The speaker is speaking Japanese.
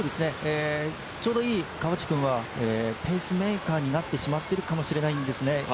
ちょうどいい川内君はペースメーカーになってしまってると思うんです